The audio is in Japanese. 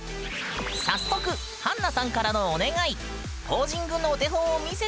早速はんなさんからのお願い。